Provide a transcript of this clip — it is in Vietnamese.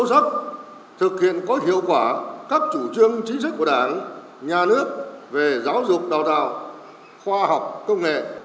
nhà trường cần tiếp tục thực hiện có hiệu quả các chủ trương chính sách của đảng nhà nước về giáo dục đào tạo khoa học công nghệ